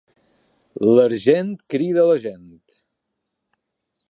L'argent crida la gent.